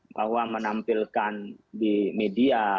bahwa menampilkan di media